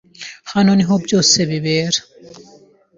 Hano niho byose bibera.